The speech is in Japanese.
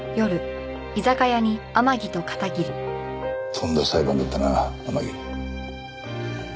とんだ裁判だったな天樹。